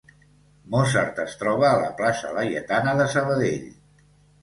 Mozart es troba a la plaça Laietana de Sabadell.